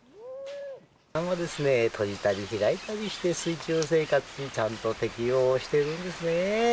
鼻を閉じたり開いたりして、水中生活にちゃんと適応してるんですね。